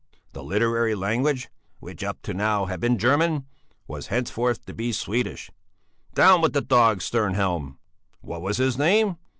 The literary language, which up to now had been German, was henceforth to be Swedish: Down with the dog Stjernhjelm! "What was his name?